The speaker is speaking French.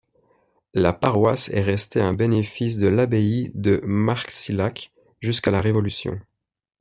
La paroisse est restée un bénéfice de l'abbaye de Marcilhac jusqu'à la Révolution.